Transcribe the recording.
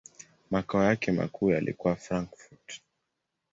Makao yake makuu yalikuwa Frankfurt.